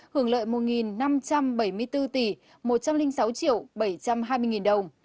trong đó phan xảo nam hưởng lợi một năm trăm bảy mươi bốn tỷ một trăm linh sáu bảy trăm hai mươi đồng